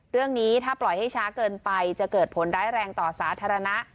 เรื่องนี้ถ้าปล่อยให้ช้าเกินไปจะเกิดผลร้ายแรงต่อสาธารณะ